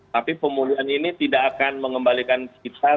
tapi pemulihan ini tidak akan mengembalikan kita